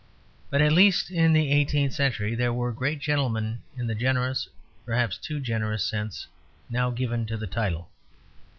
But at least in the eighteenth century there were great gentlemen in the generous, perhaps too generous, sense now given to the title.